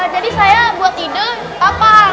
jadi saya buat ide kapal